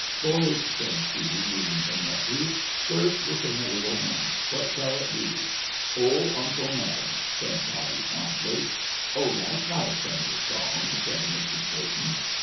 "Boys," said she, greeting her nephews, "first, we'll sing a little hymn; what shall it be?" "Ole Uncle Ned," said Toddie, promptly. "Oh, that's not a Sunday song," said Mrs. Burton.